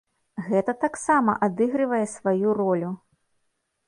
Гэта таксама адыгрывае сваю ролю.